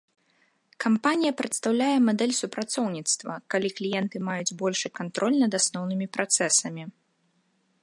Кампанія прадастаўляе мадэль супрацоўніцтва, калі кліенты маюць большы кантроль над асноўнымі працэсамі.